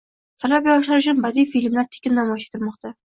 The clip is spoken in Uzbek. Talaba-yoshlar uchun badiiy filmlar tekin namoyish etilmoqda